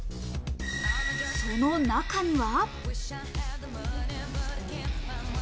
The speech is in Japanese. その中には。